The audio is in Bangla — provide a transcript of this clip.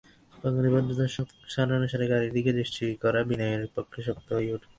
বাঙালি ভদ্রতার সংস্কার অনুসারে গাড়ির দিকে দৃষ্টি রক্ষা করা বিনয়ের পক্ষে শক্ত হইয়া উঠিল।